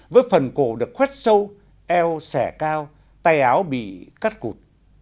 với phần cổ được khoét sâu eo sẻ cao tay áo bị cắt cụt